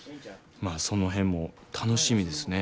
まあその辺も楽しみですね。